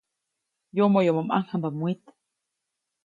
Yomoyomo ʼmaŋjamba mwit.